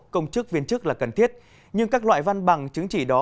công chức viên chức là cần thiết nhưng các loại văn bằng chứng chỉ đó